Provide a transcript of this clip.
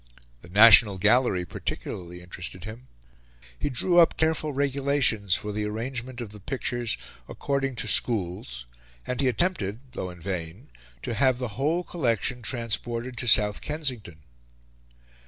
The National Gallery particularly interested him: he drew up careful regulations for the arrangement of the pictures according to schools; and he attempted though in vain to have the whole collection transported to South Kensington.